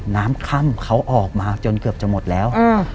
น้ำค่ำเขาออกมาจนเกือบจะหมดแล้ว